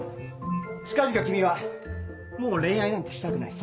近々君は「もう恋愛なんてしたくない」